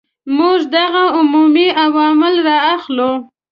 موږ دغه عمومي عوامل را اخلو.